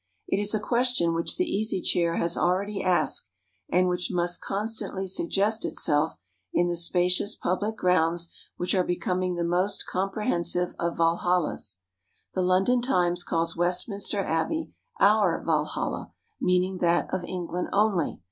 It is a question which the Easy Chair has already asked, and which must constantly suggest itself in the spacious public grounds which are becoming the most comprehensive of Walhallas. The London Times calls Westminster Abbey "our Walhalla," meaning that of England only.